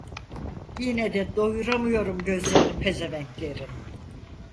Yine de doyuramıyorum gözlerini pezevenklerin…